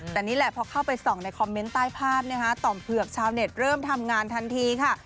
แต่นี่แหละพอเข้าไปส่องในคอมเมนต์ใต้ภาพนะคะต่อมเผือกชาวเน็ตเริ่มทำงานทันทีค่ะ